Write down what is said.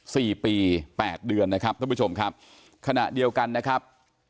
สี่ปีแปดเดือนนะครับท่านผู้ชมครับขณะเดียวกันนะครับ